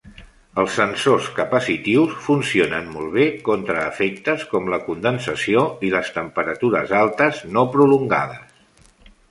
Els sensors capacitius funcionen molt bé contra efectes com la condensació i les temperatures altes no prolongades.